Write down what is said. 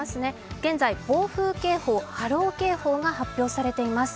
現在暴風警報、波浪警報が発表されています。